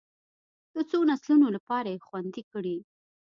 د څو نسلونو لپاره یې خوندي کړي.